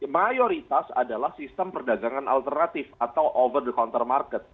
mayoritas adalah sistem perdagangan alternatif atau over the counter market